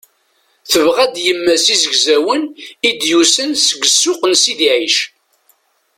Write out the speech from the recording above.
Tebɣa-d yemma-s izegzawen i d-yusan seg ssuq n Sidi Ɛic.